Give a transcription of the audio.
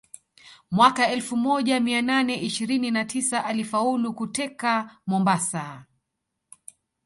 Mwaka elfu moja mia nane ishirini na tisa alifaulu kuteka Mombasa